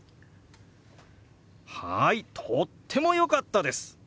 はいとっても良かったです！